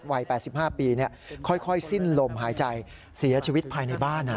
วัย๘๕ปีค่อยสิ้นลมหายใจเสียชีวิตภายในบ้าน